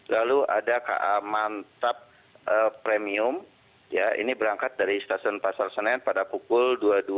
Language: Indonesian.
lalu ada ka mantap premium ini berangkat dari stasiun pasar senen pada pukul dua puluh dua tiga puluh lima